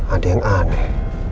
ada yang aneh